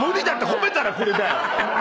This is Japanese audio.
褒めたらこれだよ！